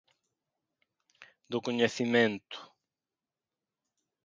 Do coñecemento.